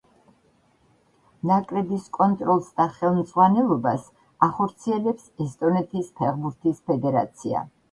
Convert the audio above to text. ნაკრების კონტროლს და ხელმძღვანელობას ახორციელებს ესტონეთის ფეხბურთის ფედერაცია.